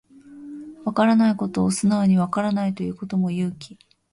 わからないことを素直にわからないと言うことも勇気